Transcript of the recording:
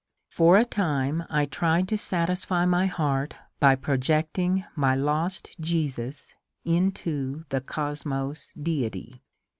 For a time I tried to satisfy my heart by projecting my lost Jesus into the C!osmos deity.